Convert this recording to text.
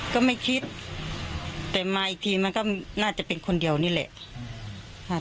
ก็ไม่คิดแต่มาอีกทีมันก็น่าจะเป็นคนเดียวนี่แหละ